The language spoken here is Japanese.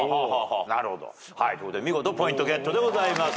なるほどはいということで見事ポイントゲットでございます。